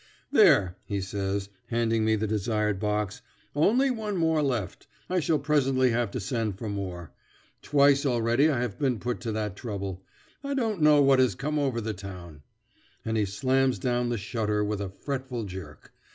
"There," he says, handing me the desired box. "Only one more left; I shall presently have to send for more. Twice already have I been put to that trouble. I don't know what has come over the town." And he slams down the shutter with a fretful jerk.